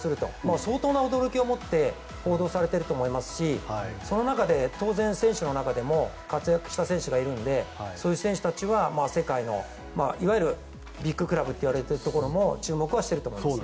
相当な驚きをもって報道されていると思いますし当然、選手の中でも活躍した選手がいるのでそういう選手たちは世界のいわゆるビッグクラブといわれているところも注目はしてると思いますね。